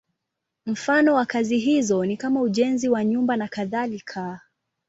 Mfano wa kazi hizo ni kama ujenzi wa nyumba nakadhalika.